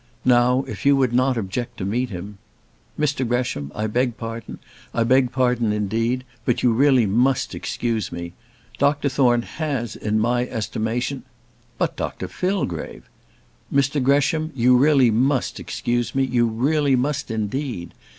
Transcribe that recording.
Now, if you would not object to meet him " "Mr Gresham, I beg pardon; I beg pardon, indeed; but you must really excuse me. Doctor Thorne has, in my estimation " "But, Doctor Fillgrave " "Mr Gresham, you really must excuse me; you really must, indeed.